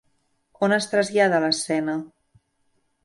On es trasllada l'escena?